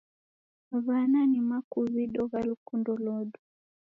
W'ana ni makuw'ido gha lukundo lodu.